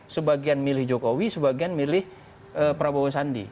sebagian milih jokowi sebagian milih prabowo sandi